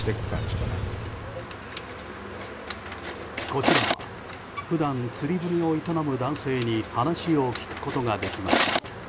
こちらは普段釣り船を営む男性に話を聞くことができました。